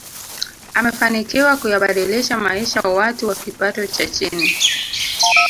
amefanikiwa kuyabadilisha maisha ya watu wa kipato cha chini